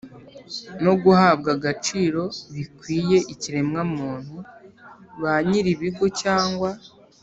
no guhabwa agaciro bikwiye ikiremwa muntu. ba nyiri ibigo cyangwa